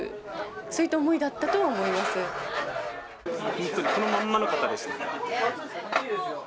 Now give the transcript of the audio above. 本当、このまんまの方です。